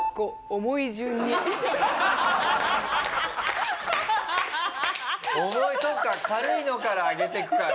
重いそっか軽いのから上げてくから。